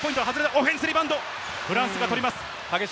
オフェンスリバウンド、フランスが取ります。